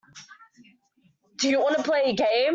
Do you want to play a game.